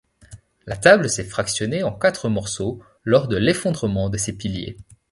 La table s'est fractionnée en quatre morceaux lors de l'effondrement de ses piliers.